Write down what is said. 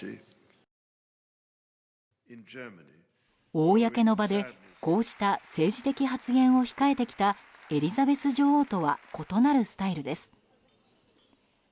公の場でこうした政治的発言を控えてきたエリザベス女王とは異なるスタイルです。